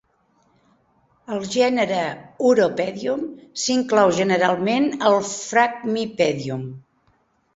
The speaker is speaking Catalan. El gènere Uropedium s'inclou generalment al "Phragmipedium".